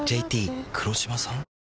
ＪＴ黒島さん？